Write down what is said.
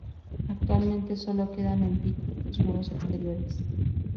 Actualmente sólo quedan en pie algunos muros exteriores.